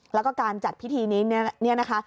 แล้วก็การจัดพิธีนี้นะคะ